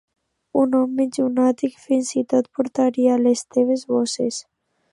Un home llunàtic, fins i tot portaria les teves bosses.